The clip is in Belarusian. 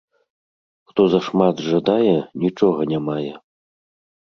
Хто зашмат жадае, нічога не мае